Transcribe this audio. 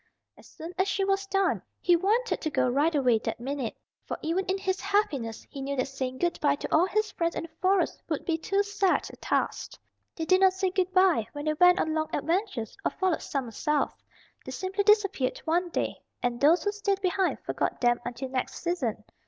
As soon as she was done, he wanted to go right away that minute. For even in his happiness he knew that saying good by to all his friends in the Forest would be too sad a task. They did not say good by when they went on long adventures, or followed summer south. They simply disappeared one day, and those who stayed behind forgot them until next season.